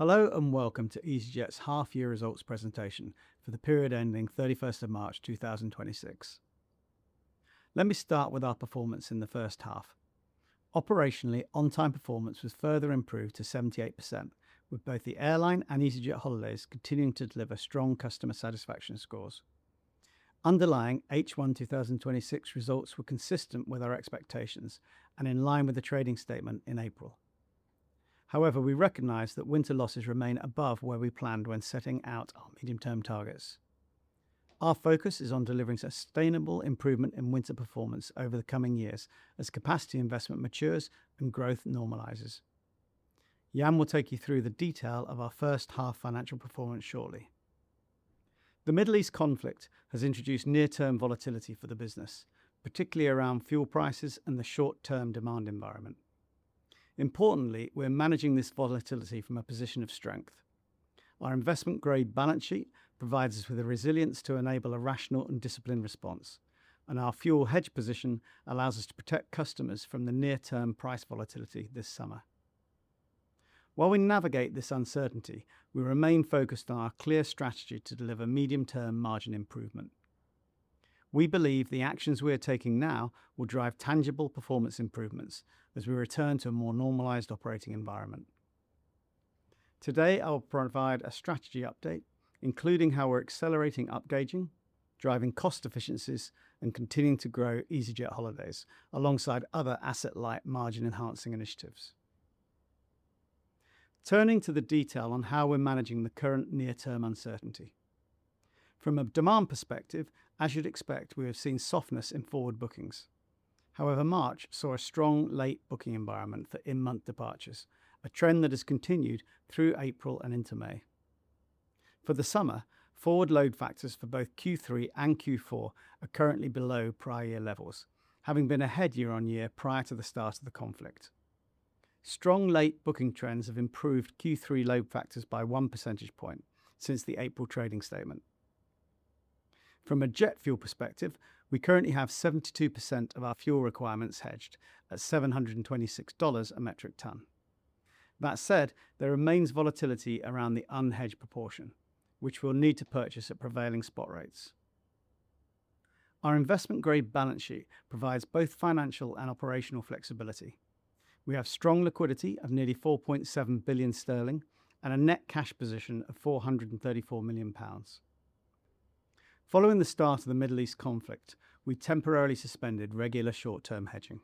Hello, and welcome to easyJet's half year results presentation for the period ending 31st of March 2026. Let me start with our performance in the first half. Operationally, on-time performance was further improved to 78%, with both the airline and easyJet Holidays continuing to deliver strong customer satisfaction scores. Underlying H1 2026 results were consistent with our expectations in line with the trading statement in April. However, we recognize that winter losses remain above where we planned when setting out our medium-term targets. Our focus is on delivering sustainable improvement in winter performance over the coming years as capacity investment matures and growth normalizes. Jan will take you through the detail of our first half financial performance shortly. The Middle East conflict has introduced near-term volatility for the business, particularly around fuel prices and the short-term demand environment. Importantly, we're managing this volatility from a position of strength. Our investment-grade balance sheet provides us with the resilience to enable a rational and disciplined response, and our fuel hedge position allows us to protect customers from the near-term price volatility this summer. While we navigate this uncertainty, we remain focused on our clear strategy to deliver medium-term margin improvement. We believe the actions we are taking now will drive tangible performance improvements as we return to a more normalized operating environment. Today, I'll provide a strategy update, including how we're accelerating upgauging, driving cost efficiencies, and continuing to grow easyJet Holidays alongside other asset-light margin enhancing initiatives. Turning to the detail on how we're managing the current near-term uncertainty. From a demand perspective, as you'd expect, we have seen softness in forward bookings. However, March saw a strong late booking environment for in-month departures, a trend that has continued through April and into May. For the summer, forward load factors for both Q3 and Q4 are currently below prior year levels, having been ahead year on year prior to the start of the conflict. Strong late booking trends have improved Q3 load factors by 1 percentage point since the April trading statement. From a jet fuel perspective, we currently have 72% of our fuel requirements hedged at 726 dollars a metric ton. That said, there remains volatility around the unhedged proportion, which we'll need to purchase at prevailing spot rates. Our investment-grade balance sheet provides both financial and operational flexibility. We have strong liquidity of nearly 4.7 billion sterling and a net cash position of 434 million pounds. Following the start of the Middle East conflict, we temporarily suspended regular short-term hedging.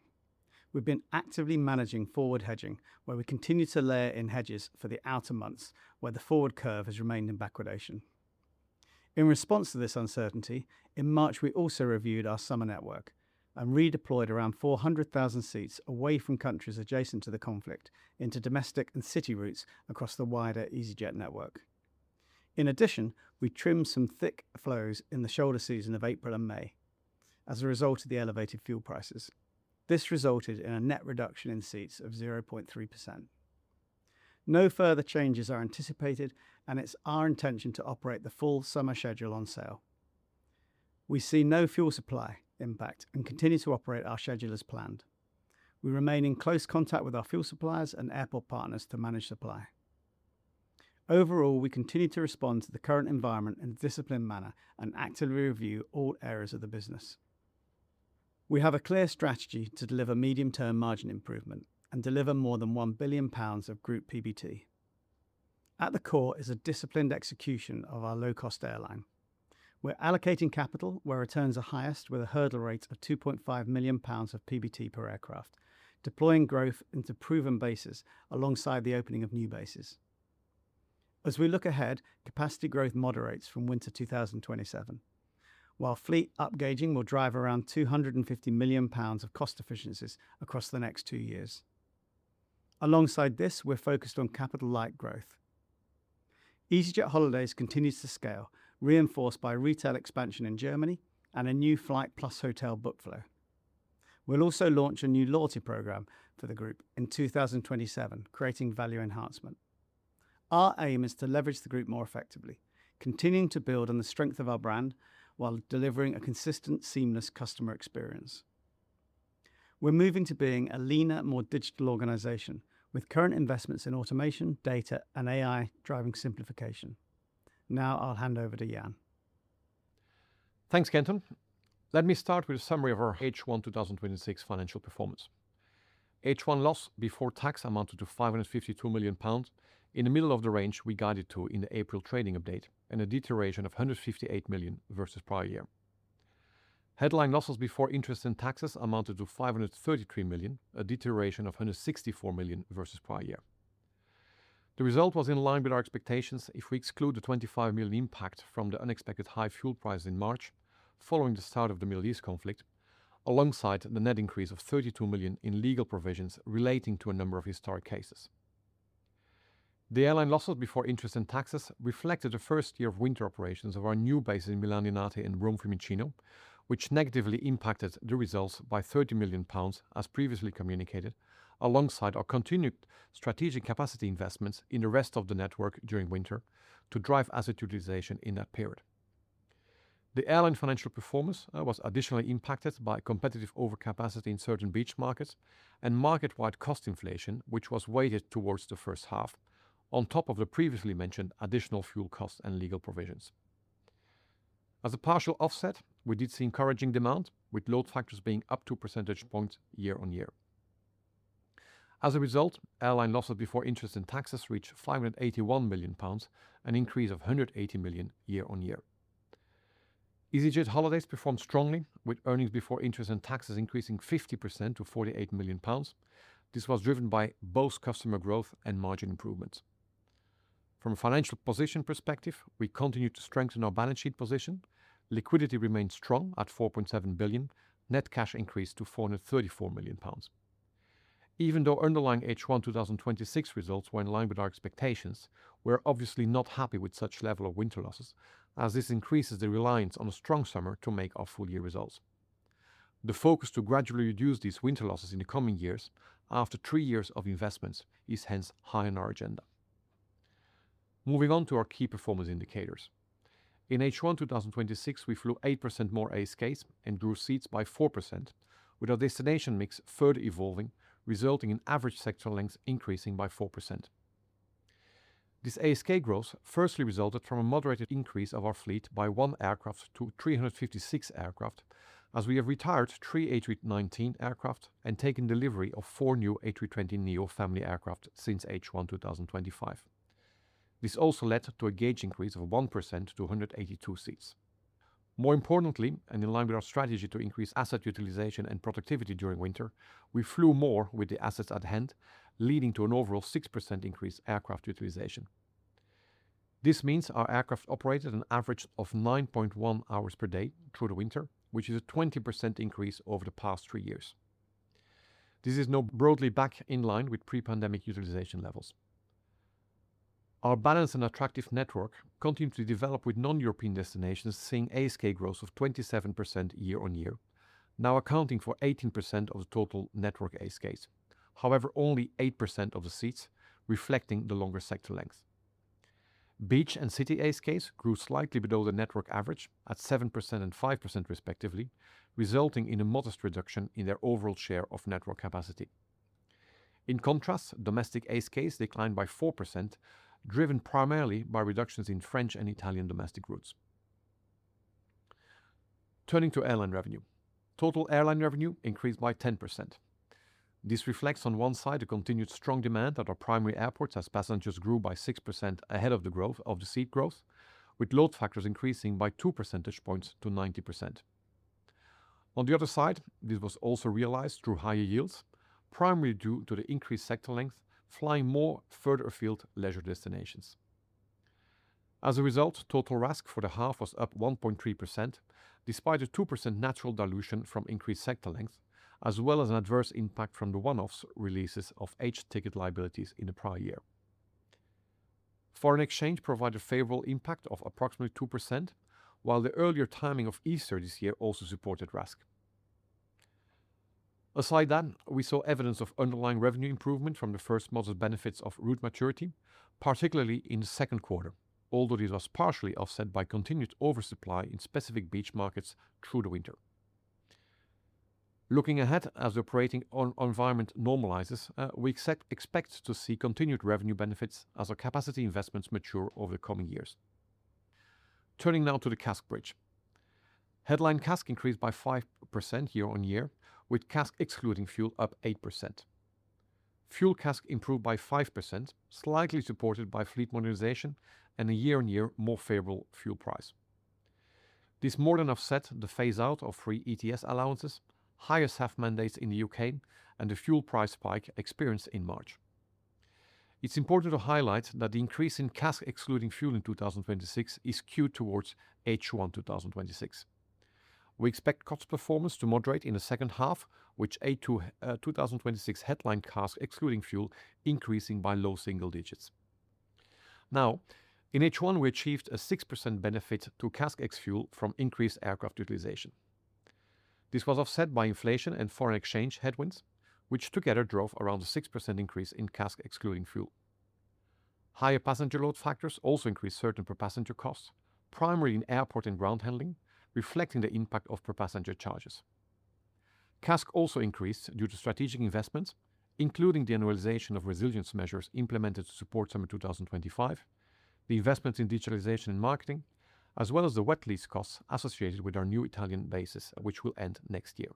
We've been actively managing forward hedging, where we continue to layer in hedges for the outer months where the forward curve has remained in backwardation. In response to this uncertainty, in March, we also reviewed our summer network and redeployed around 400,000 seats away from countries adjacent to the conflict into domestic and city routes across the wider easyJet network. In addition, we trimmed some thick flows in the shoulder season of April and May as a result of the elevated fuel prices. This resulted in a net reduction in seats of 0.3%. No further changes are anticipated, and it's our intention to operate the full summer schedule on sale. We see no fuel supply impact and continue to operate our schedule as planned. We remain in close contact with our fuel suppliers and airport partners to manage supply. Overall, we continue to respond to the current environment in a disciplined manner and actively review all areas of the business. We have a clear strategy to deliver medium-term margin improvement and deliver more than 1 billion pounds of group PBT. At the core is a disciplined execution of our low-cost airline. We're allocating capital where returns are highest with a hurdle rate of 2.5 million pounds of PBT per aircraft, deploying growth into proven bases alongside the opening of new bases. As we look ahead, capacity growth moderates from winter 2027, while fleet upgauging will drive around 250 million pounds of cost efficiencies across the next two years. Alongside this, we're focused on capital-light growth. easyJet Holidays continues to scale, reinforced by retail expansion in Germany and a new flight plus hotel book flow. We'll also launch a new loyalty program for the group in 2027, creating value enhancement. Our aim is to leverage the group more effectively, continuing to build on the strength of our brand while delivering a consistent, seamless customer experience. We're moving to being a leaner, more digital organization with current investments in automation, data, and AI driving simplification. I'll hand over to Jan. Thanks, Kenton. Let me start with a summary of our H1 2026 financial performance. H1 loss before tax amounted to 552 million pounds, in the middle of the range we guided to in the April trading update and a deterioration of 158 million versus prior year. Headline losses before interest and taxes amounted to 533 million, a deterioration of 164 million versus prior year. The result was in line with our expectations if we exclude the 25 million impact from the unexpected high fuel prices in March following the start of the Middle East conflict, alongside the net increase of 32 million in legal provisions relating to a number of historic cases. The airline losses before interest and taxes reflected the first year of winter operations of our new bases in Milan Linate and Rome Fiumicino, which negatively impacted the results by 30 million pounds as previously communicated, alongside our continued strategic capacity investments in the rest of the network during winter to drive asset utilization in that period. The airline financial performance was additionally impacted by competitive overcapacity in certain beach markets and market-wide cost inflation, which was weighted towards the first half, on top of the previously mentioned additional fuel costs and legal provisions. As a partial offset, we did see encouraging demand with load factors being up two percentage points year-on-year. As a result, airline losses before interest and taxes reached 581 million pounds, an increase of 180 million year-on-year. easyJet holidays performed strongly with earnings before interest and taxes increasing 50% to 48 million pounds. This was driven by both customer growth and margin improvements. From a financial position perspective, we continue to strengthen our balance sheet position. Liquidity remains strong at 4.7 billion. Net cash increased to 434 million pounds. Even though underlying H1 2026 results were in line with our expectations, we're obviously not happy with such level of winter losses, as this increases the reliance on a strong summer to make our full year results. The focus to gradually reduce these winter losses in the coming years after three years of investments is hence high on our agenda. Moving on to our key performance indicators. In H1 2026, we flew 8% more ASKs and grew seats by 4%, with our destination mix further evolving, resulting in average sector lengths increasing by 4%. This ASK growth firstly resulted from a moderated increase of our fleet by one aircraft to 356 aircraft as we have retired three A319 aircraft and taken delivery of new A320neo family aircraft since H1 2025. This also led to a gauge increase of 1% to 182 seats. More importantly, and in line with our strategy to increase asset utilization and productivity during winter, we flew more with the assets at hand, leading to an overall 6% increase aircraft utilization. This means our aircraft operated an average of 9.1 h/d through the winter, which is a 20% increase over the past three years. This is now broadly back in line with pre-pandemic utilization levels. Our balanced and attractive network continued to develop with non-European destinations seeing ASK growth of 27% year-on-year, now accounting for 18% of the total network ASKs. Only 8% of the seats reflecting the longer sector lengths. Beach and city ASKs grew slightly below the network average at 7% and 5% respectively, resulting in a modest reduction in their overall share of network capacity. Domestic ASKs declined by 4%, driven primarily by reductions in French and Italian domestic routes. Turning to airline revenue. Total airline revenue increased by 10%. This reflects on one side a continued strong demand at our primary airports as passengers grew by 6% ahead of the seat growth, with load factors increasing by 2 percentage points to 90%. This was also realized through higher yields, primarily due to the increased sector length, flying more further afield leisure destinations. As a result, total RASK for the half was up 1.3%, despite a 2% natural dilution from increased sector length, as well as an adverse impact from the one-offs releases of aged ticket liabilities in the prior year. Foreign exchange provided a favorable impact of approximately 2%, while the earlier timing of Easter this year also supported RASK. Aside from that, we saw evidence of underlying revenue improvement from the first modest benefits of route maturity, particularly in the second quarter, although this was partially offset by continued oversupply in specific beach markets through the winter. Looking ahead, as operating environment normalizes, we expect to see continued revenue benefits as our capacity investments mature over the coming years. Turning now to the CASK bridge. Headline CASK increased by 5% year-on-year, with CASK excluding fuel up 8%. Fuel CASK improved by 5%, slightly supported by fleet modernization and a year-on-year more favorable fuel price. This more than offset the phaseout of free ETS allowances, higher SAF mandates in the U.K., and the fuel price spike experienced in March. It's important to highlight that the increase in CASK excluding fuel in 2026 is skewed towards H1 2026. We expect cost performance to moderate in the second half, with 2026 headline CASK excluding fuel increasing by low single digits. In H1, we achieved a 6% benefit to CASK ex-fuel from increased aircraft utilization. This was offset by inflation and foreign exchange headwinds, which together drove around a 6% increase in CASK excluding fuel. Higher passenger load factors also increased certain per passenger costs, primarily in airport and ground handling, reflecting the impact of per passenger charges. CASK also increased due to strategic investments, including the annualization of resilience measures implemented to support summer 2025, the investments in digitalization and marketing, as well as the wet lease costs associated with our new Italian bases, which will end next year.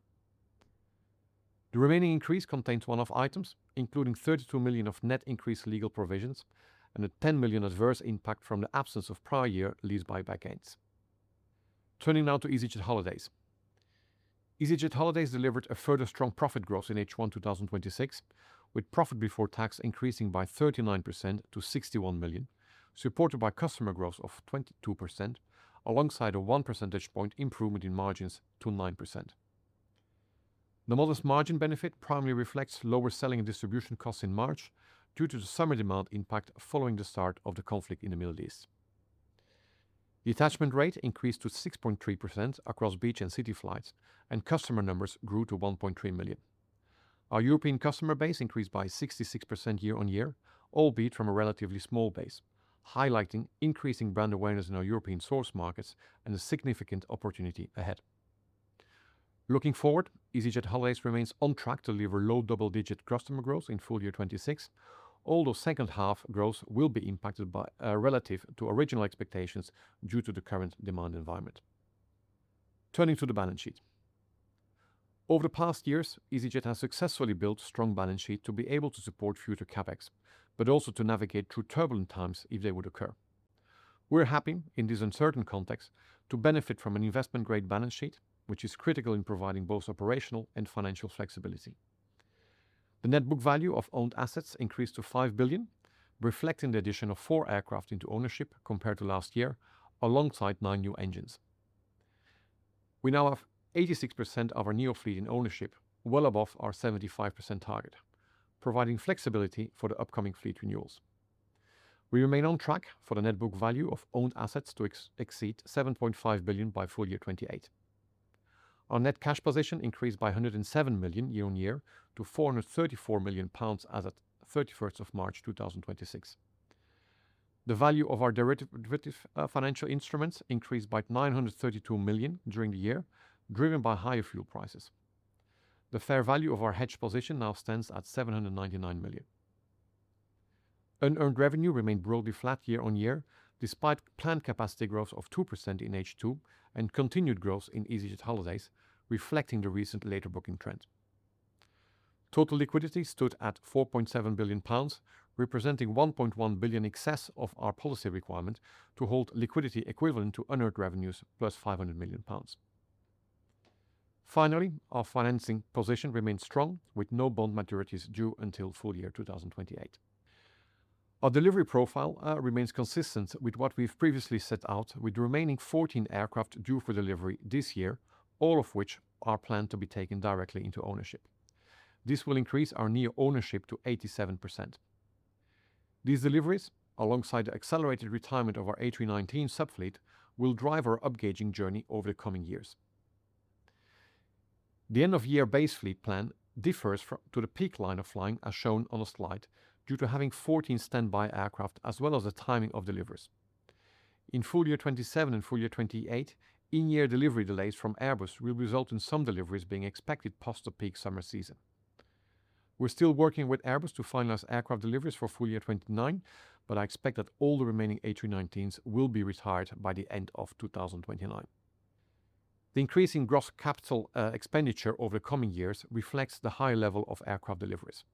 The remaining increase contains one-off items, including 32 million of net increased legal provisions and a 10 million adverse impact from the absence of prior year lease buyback gains. Turning now to easyJet holidays. easyJet holidays delivered a further strong profit growth in H1 2026, with profit before tax increasing by 39% to 61 million, supported by customer growth of 22%, alongside a 1 percentage point improvement in margins to 9%. The modest margin benefit primarily reflects lower selling and distribution costs in March due to the summer demand impact following the start of the conflict in the Middle East. The attachment rate increased to 6.3% across beach and city flights, and customer numbers grew to 1.3 million. Our European customer base increased by 66% year-on-year, albeit from a relatively small base, highlighting increasing brand awareness in our European source markets and a significant opportunity ahead. Looking forward, easyJet Holidays remains on track to deliver low double-digit customer growth in full year 2026, although second half growth will be impacted relative to original expectations due to the current demand environment. Turning to the balance sheet. Over the past years, easyJet has successfully built strong balance sheet to be able to support future CapEx, but also to navigate through turbulent times if they would occur. We're happy in this uncertain context to benefit from an investment-grade balance sheet, which is critical in providing both operational and financial flexibility. The net book value of owned assets increased to 5 billion, reflecting the addition of four aircraft into ownership compared to last year, alongside nine new engines. We now have 86% of our A320neo fleet in ownership, well above our 75% target, providing flexibility for the upcoming fleet renewals. We remain on track for the net book value of owned assets to exceed 7.5 billion by full year 2028. Our net cash position increased by 107 million year-on-year to 434 million pounds as at 31st of March 2026. The value of our derivative financial instruments increased by 932 million during the year, driven by higher fuel prices. The fair value of our hedge position now stands at 799 million. Unearned revenue remained broadly flat year-on-year, despite planned capacity growth of 2% in H2 and continued growth in easyJet Holidays, reflecting the recent later booking trends. Total liquidity stood at 4.7 billion pounds, representing 1.1 billion excess of our policy requirement to hold liquidity equivalent to unearned revenues plus 500 million pounds. Finally, our financing position remains strong with no bond maturities due until full year 2028. Our delivery profile remains consistent with what we've previously set out with the remaining 14 aircraft due for delivery this year, all of which are planned to be taken directly into ownership. This will increase our A320neo-ownership to 87%. These deliveries, alongside the accelerated retirement of our A319 sub-fleet, will drive our upgauging journey over the coming years. The end of year base fleet plan differs to the peak line of flying, as shown on the slide, due to having 14 standby aircraft as well as the timing of deliveries. In full year 2027 and full year 2028, in-year delivery delays from Airbus will result in some deliveries being expected past the peak summer season. We're still working with Airbus to finalize aircraft deliveries for full year 2029, but I expect that all the remaining A319s will be retired by the end of 2029. The increase in gross capital expenditure over the coming years reflects the high level of aircraft deliveries.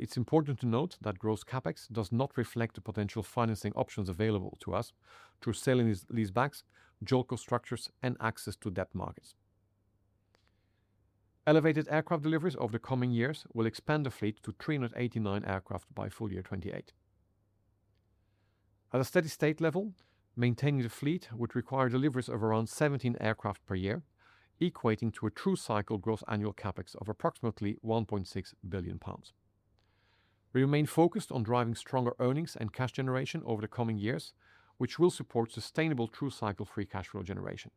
It's important to note that gross CapEx does not reflect the potential financing options available to us through sale and leasebacks, JOLCO structures and access to debt markets. Elevated aircraft deliveries over the coming years will expand the fleet to 389 aircraft by full year 2028. At a steady-state level, maintaining the fleet would require deliveries of around 17 aircraft per year, equating to a true cycle gross annual CapEx of approximately 1.6 billion pounds. We remain focused on driving stronger earnings and cash generation over the coming years, which will support sustainable true cycle free cash flow generation.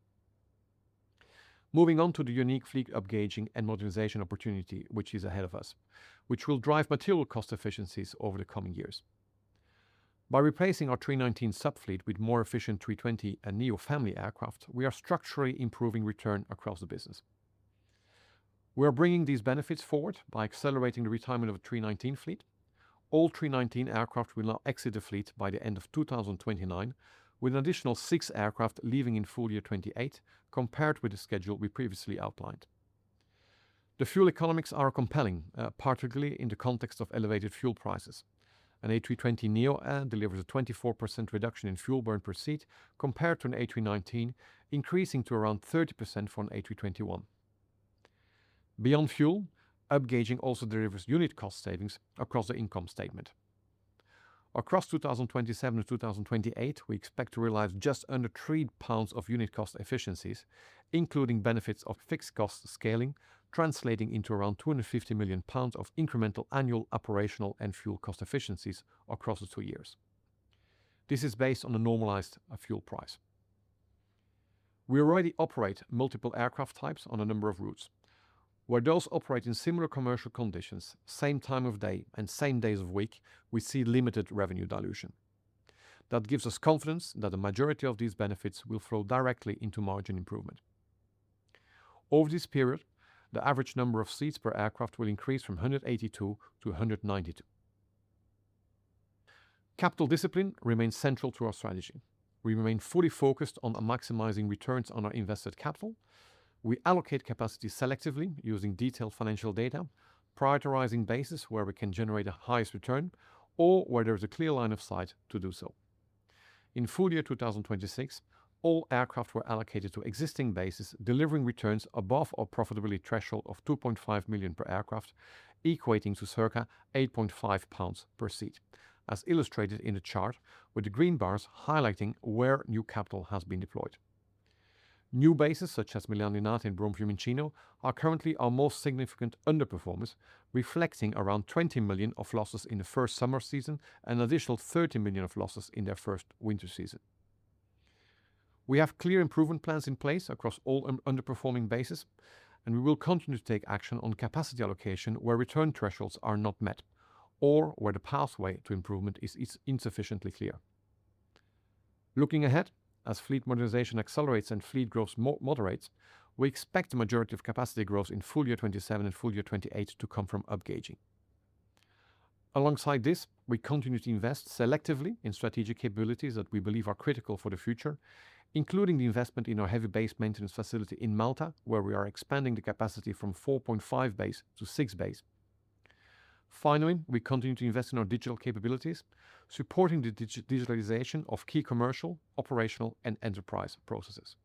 Moving on to the unique fleet upgauging and modernization opportunity, which is ahead of us, which will drive material cost efficiencies over the coming years. By replacing our A319 sub-fleet with more efficient A320 and A320neo family aircraft, we are structurally improving return across the business. We are bringing these benefits forward by accelerating the retirement of the A319 fleet. All A319 aircraft will now exit the fleet by the end of 2029, with an additional 6 aircraft leaving in FY 2028, compared with the schedule we previously outlined. The fuel economics are compelling, particularly in the context of elevated fuel prices. An A320neo delivers a 24% reduction in fuel burn per seat compared to an A319, increasing to around 30% from an A321. Beyond fuel, upgauging also delivers unit cost savings across the income statement. Across 2027 and 2028, we expect to realize just under 3 pounds of unit cost efficiencies, including benefits of fixed cost scaling, translating into around 250 million pounds of incremental annual operational and fuel cost efficiencies across the two years. This is based on a normalized fuel price. We already operate multiple aircraft types on a number of routes. Where those operate in similar commercial conditions, same time of day, and same days of week, we see limited revenue dilution. That gives us confidence that the majority of these benefits will flow directly into margin improvement. Over this period, the average number of seats per aircraft will increase from 182-192. Capital discipline remains central to our strategy. We remain fully focused on maximizing returns on our invested capital. We allocate capacity selectively using detailed financial data, prioritizing bases where we can generate the highest return or where there is a clear line of sight to do so. In full year 2026, all aircraft were allocated to existing bases, delivering returns above our profitability threshold of 2.5 million per aircraft, equating to circa 8.5 pounds per seat, as illustrated in the chart with the green bars highlighting where new capital has been deployed. New bases such as Milan Linate and Rome Fiumicino are currently our most significant underperformers, reflecting around 20 million of losses in the first summer season and additional 30 million of losses in their first winter season. We have clear improvement plans in place across all underperforming bases, we will continue to take action on capacity allocation where return thresholds are not met or where the pathway to improvement is insufficiently clear. Looking ahead, as fleet modernization accelerates and fleet growth moderates, we expect the majority of capacity growth in full year 2027 and full year 2028 to come from upgauging. Alongside this, we continue to invest selectively in strategic capabilities that we believe are critical for the future, including the investment in our heavy base maintenance facility in Malta, where we are expanding the capacity from 4.5 bays-6 bays. Finally, we continue to invest in our digital capabilities, supporting the digitalization of key commercial, operational, and enterprise processes.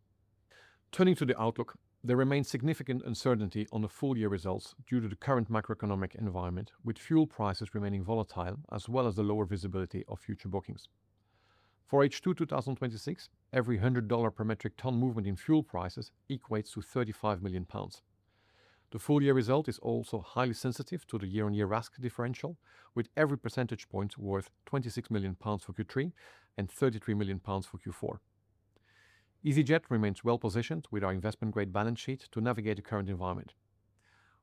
Turning to the outlook, there remains significant uncertainty on the full-year results due to the current macroeconomic environment, with fuel prices remaining volatile as well as the lower visibility of future bookings. For H2 2026, every 100 dollar per metric ton movement in fuel prices equates to 35 million pounds. The full-year result is also highly sensitive to the year-on-year RASK differential, with every percentage point worth 26 million pounds for Q3 and 33 million pounds for Q4. easyJet remains well-positioned with our investment-grade balance sheet to navigate the current environment.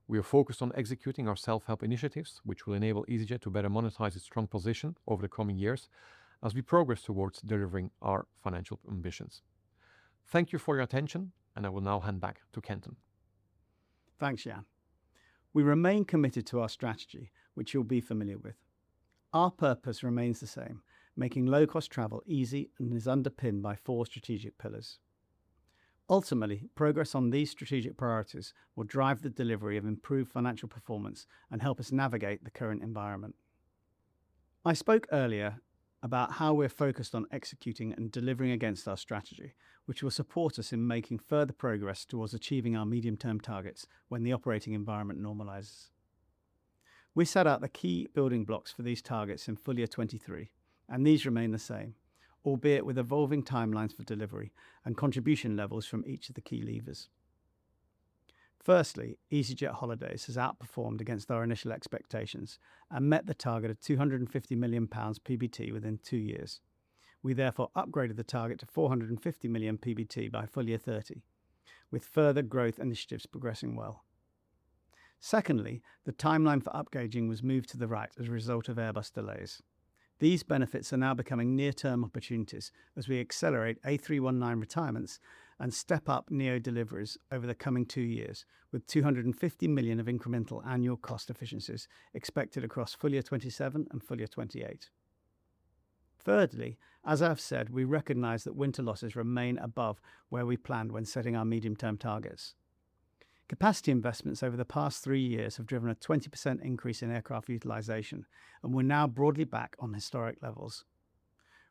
We are focused on executing our self-help initiatives, which will enable easyJet to better monetize its strong position over the coming years as we progress towards delivering our financial ambitions. Thank you for your attention, I will now hand back to Kenton. Thanks, Jan. We remain committed to our strategy, which you'll be familiar with. Our purpose remains the same, making low-cost travel easy, and is underpinned by four strategic pillars. Ultimately, progress on these strategic priorities will drive the delivery of improved financial performance and help us navigate the current environment. I spoke earlier about how we're focused on executing and delivering against our strategy, which will support us in making further progress towards achieving our medium-term targets when the operating environment normalizes. We set out the key building blocks for these targets in full year 2023, and these remain the same, albeit with evolving timelines for delivery and contribution levels from each of the key levers. Firstly, easyJet Holidays has outperformed against our initial expectations and met the target of 250 million pounds PBT within two years. We therefore upgraded the target to 450 million PBT by FY 2030, with further growth initiatives progressing well. The timeline for upgauging was moved to the right as a result of Airbus delays. These benefits are now becoming near-term opportunities as we accelerate A319 retirements and step up A320neo deliveries over the coming two years, with 250 million of incremental annual cost efficiencies expected across FY 2027 and FY 2028. As I've said, we recognize that winter losses remain above where we planned when setting our medium-term targets. Capacity investments over the past three years have driven a 20% increase in aircraft utilization, and we're now broadly back on historic levels.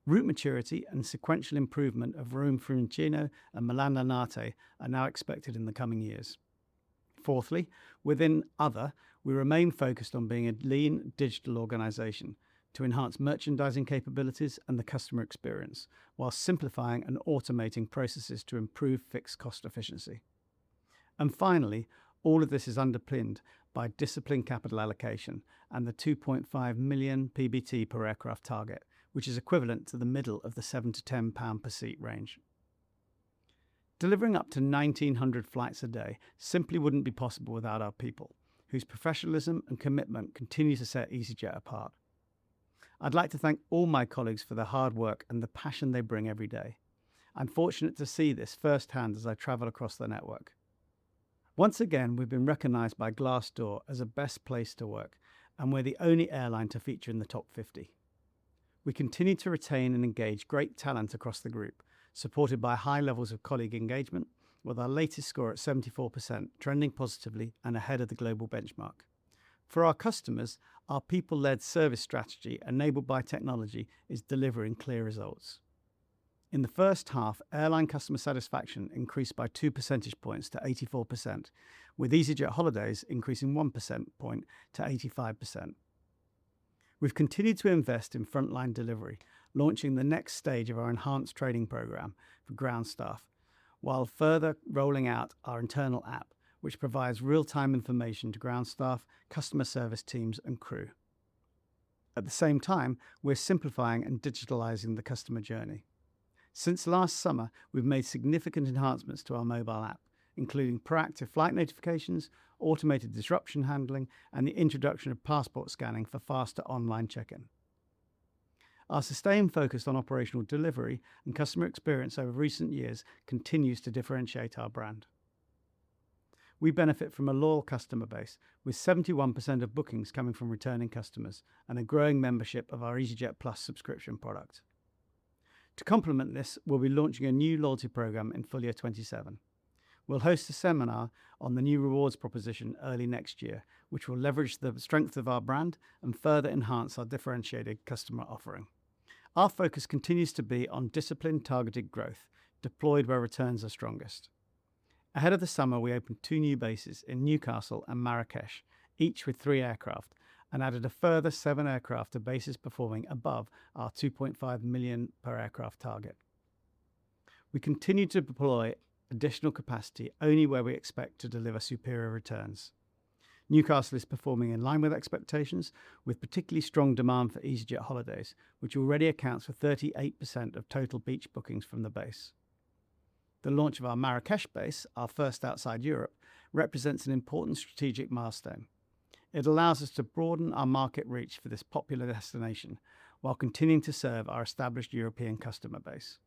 Route maturity and sequential improvement of Rome Fiumicino and Milan Linate are now expected in the coming years. Fourthly, within other, we remain focused on being a lean digital organization to enhance merchandising capabilities and the customer experience while simplifying and automating processes to improve fixed cost efficiency. Finally, all of this is underpinned by disciplined capital allocation and the 2.5 million PBT per aircraft target, which is equivalent to the middle of the 7-10 pound per seat range. Delivering up to 1,900 flights a day simply wouldn't be possible without our people, whose professionalism and commitment continue to set easyJet apart. I'd like to thank all my colleagues for their hard work and the passion they bring every day. I'm fortunate to see this firsthand as I travel across the network. Once again, we've been recognized by Glassdoor as a Best Place to Work, and we're the only airline to feature in the top 50. We continue to retain and engage great talent across the group, supported by high levels of colleague engagement with our latest score at 74%, trending positively and ahead of the global benchmark. For our customers, our people-led service strategy enabled by technology is delivering clear results. In the first half, airline customer satisfaction increased by 2 percentage points to 84%, with easyJet Holidays increasing 1 percent point to 85%. We've continued to invest in frontline delivery, launching the next stage of our enhanced training program for ground staff, while further rolling out our internal app, which provides real-time information to ground staff, customer service teams, and crew. At the same time, we're simplifying and digitalizing the customer journey. Since last summer, we've made significant enhancements to our mobile app, including proactive flight notifications, automated disruption handling, and the introduction of passport scanning for faster online check-in. Our sustained focus on operational delivery and customer experience over recent years continues to differentiate our brand. We benefit from a loyal customer base with 71% of bookings coming from returning customers and a growing membership of our easyJet Plus subscription product. To complement this, we'll be launching a new loyalty program in full year 2027. We'll host a seminar on the new rewards proposition early next year, which will leverage the strength of our brand and further enhance our differentiated customer offering. Our focus continues to be on disciplined, targeted growth deployed where returns are strongest. Ahead of the summer, we opened two new bases in Newcastle and Marrakech, each with three aircraft, and added a further seven aircraft to bases performing above our 2.5 million per aircraft target. We continue to deploy additional capacity only where we expect to deliver superior returns. Newcastle is performing in line with expectations, with particularly strong demand for easyJet Holidays, which already accounts for 38% of total beach bookings from the base. The launch of our Marrakech base, our first outside Europe, represents an important strategic milestone. It allows us to broaden our market reach for this popular destination while continuing to serve our established European customer base.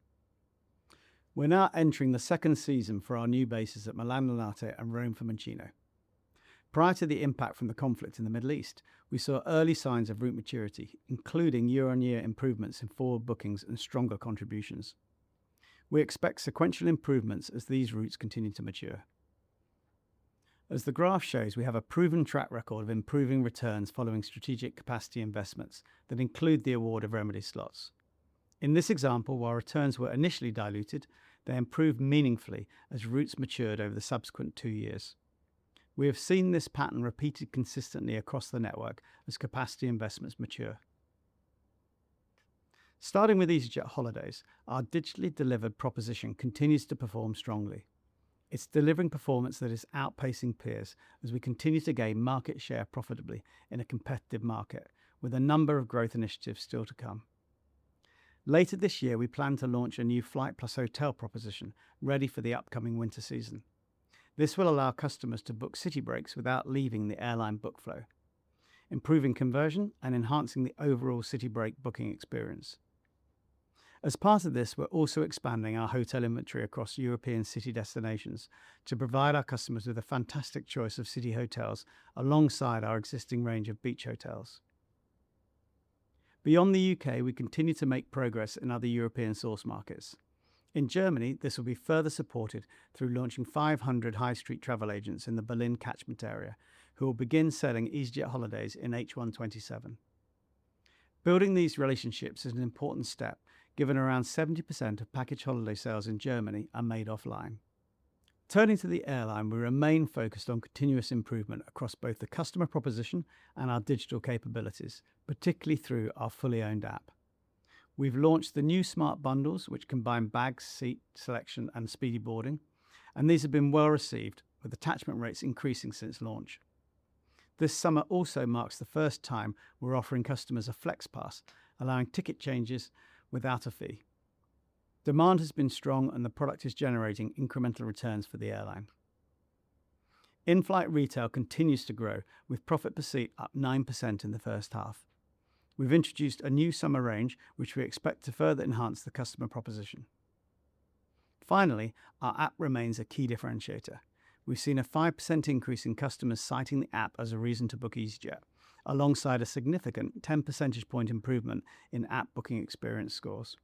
We're now entering the second season for our new bases at Milan Linate and Rome Fiumicino. Prior to the impact from the conflict in the Middle East, we saw early signs of route maturity, including year-on-year improvements in forward bookings and stronger contributions. We expect sequential improvements as these routes continue to mature. As the graph shows, we have a proven track record of improving returns following strategic capacity investments that include the award of remedy slots. In this example, while returns were initially diluted, they improved meaningfully as routes matured over the subsequent two years. We have seen this pattern repeated consistently across the network as capacity investments mature. Starting with easyJet holidays, our digitally delivered proposition continues to perform strongly. It's delivering performance that is outpacing peers as we continue to gain market share profitably in a competitive market with a number of growth initiatives still to come. Later this year, we plan to launch a new flight plus hotel proposition ready for the upcoming winter season. This will allow customers to book city breaks without leaving the airline book flow, improving conversion, and enhancing the overall city break booking experience. As part of this, we're also expanding our hotel inventory across European city destinations to provide our customers with a fantastic choice of city hotels alongside our existing range of beach hotels. Beyond the U.K., we continue to make progress in other European source markets. In Germany, this will be further supported through launching 500 high street travel agents in the Berlin catchment area who will begin selling easyJet holidays in H1 2027. Building these relationships is an important step, given around 70% of package holiday sales in Germany are made offline. Turning to the airline, we remain focused on continuous improvement across both the customer proposition and our digital capabilities, particularly through our fully owned app. We've launched the new Smart Bundles, which combine bag, seat selection, and speedy boarding, and these have been well received, with attachment rates increasing since launch. This summer also marks the first time we're offering customers a Flex Pass, allowing ticket changes without a fee. Demand has been strong, the product is generating incremental returns for the airline. In-flight retail continues to grow, with profit per seat up 9% in the first half. We've introduced a new summer range, which we expect to further enhance the customer proposition. Finally, our app remains a key differentiator. We've seen a 5% increase in customers citing the app as a reason to book easyJet, alongside a significant 10 percentage point improvement in app booking experience scores.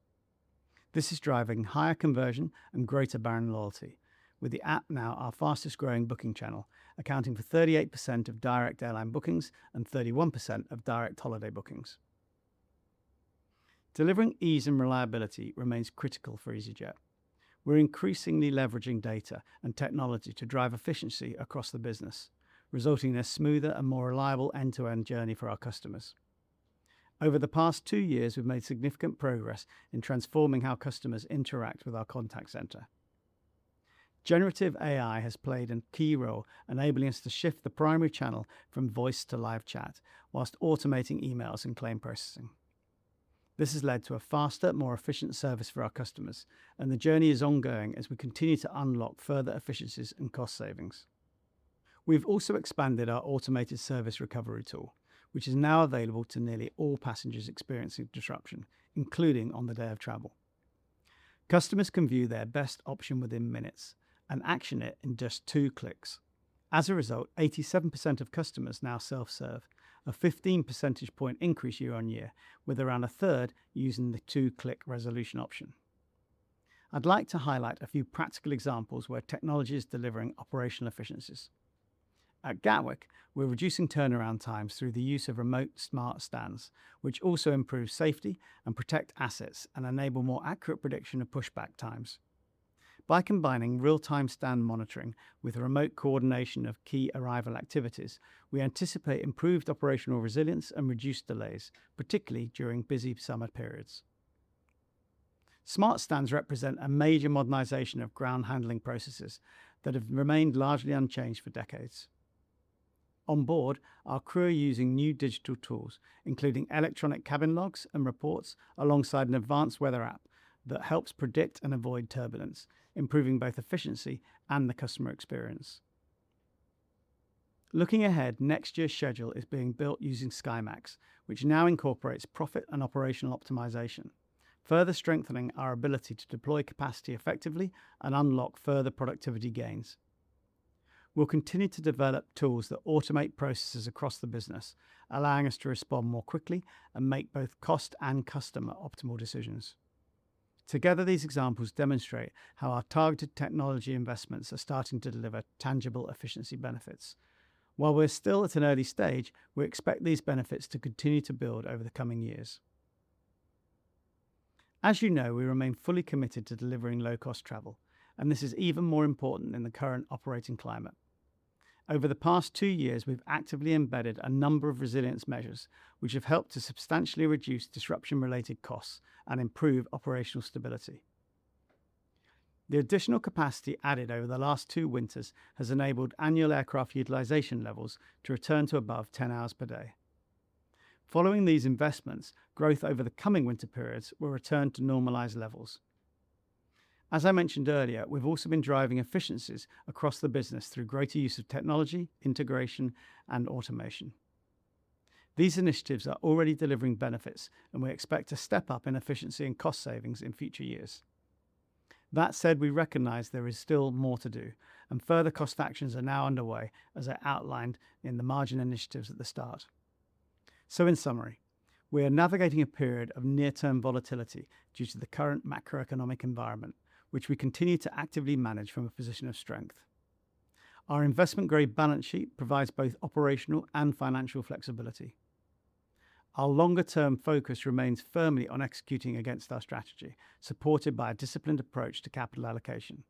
This is driving higher conversion and greater brand loyalty with the app now our fastest-growing booking channel, accounting for 38% of direct airline bookings and 31% of direct holiday bookings. Delivering ease and reliability remains critical for easyJet. We're increasingly leveraging data and technology to drive efficiency across the business, resulting in a smoother and more reliable end-to-end journey for our customers. Over the past two years, we've made significant progress in transforming how customers interact with our contact center. generative AI has played a key role, enabling us to shift the primary channel from voice to live chat while automating emails and claim processing. This has led to a faster, more efficient service for our customers, and the journey is ongoing as we continue to unlock further efficiencies and cost savings. We've also expanded our automated service recovery tool, which is now available to nearly all passengers experiencing disruption, including on the day of travel. Customers can view their best option within minutes and action it in just two clicks. As a result, 87% of customers now self-serve, a 15 percentage point increase year-on-year, with around a third using the two-click resolution option. I'd like to highlight a few practical examples where technology is delivering operational efficiencies. At Gatwick, we're reducing turnaround times through the use of remote smart stands, which also improve safety and protect assets and enable more accurate prediction of pushback times. By combining real-time stand monitoring with remote coordination of key arrival activities, we anticipate improved operational resilience and reduced delays, particularly during busy summer periods. Smart stands represent a major modernization of ground handling processes that have remained largely unchanged for decades. On board, our crew are using new digital tools, including electronic cabin logs and reports, alongside an advanced weather app that helps predict and avoid turbulence, improving both efficiency and the customer experience. Looking ahead, next year's schedule is being built using SkyMAX, which now incorporates profit and operational optimization, further strengthening our ability to deploy capacity effectively and unlock further productivity gains. We'll continue to develop tools that automate processes across the business, allowing us to respond more quickly and make both cost and customer optimal decisions. Together, these examples demonstrate how our targeted technology investments are starting to deliver tangible efficiency benefits. While we're still at an early stage, we expect these benefits to continue to build over the coming years. As you know, we remain fully committed to delivering low-cost travel, and this is even more important in the current operating climate. Over the past two years, we've actively embedded a number of resilience measures which have helped to substantially reduce disruption-related costs and improve operational stability. The additional capacity added over the last two winters has enabled annual aircraft utilization levels to return to above 10 h/d. Following these investments, growth over the coming winter periods will return to normalized levels. As I mentioned earlier, we've also been driving efficiencies across the business through greater use of technology, integration, and automation. These initiatives are already delivering benefits, and we expect a step up in efficiency and cost savings in future years. That said, we recognize there is still more to do, and further cost actions are now underway as I outlined in the margin initiatives at the start. In summary, we are navigating a period of near-term volatility due to the current macroeconomic environment, which we continue to actively manage from a position of strength. Our investment-grade balance sheet provides both operational and financial flexibility. Our longer-term focus remains firmly on executing against our strategy, supported by a disciplined approach to capital allocation.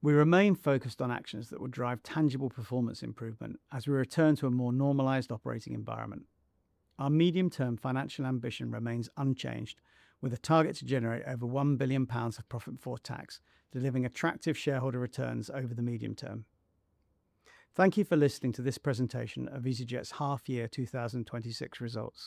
We remain focused on actions that will drive tangible performance improvement as we return to a more normalized operating environment. Our medium-term financial ambition remains unchanged, with a target to generate over 1 billion pounds of profit for tax, delivering attractive shareholder returns over the medium term. Thank you for listening to this presentation of easyJet's half year 2026 results.